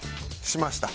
しました。